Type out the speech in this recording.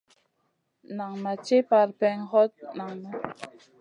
Nan ma ci parpèŋè, hot nan ma ŋay sungun ma nizi wragandana.